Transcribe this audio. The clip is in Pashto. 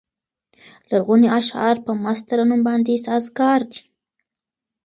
لرغوني اشعار په مست ترنم باندې سازګار دي.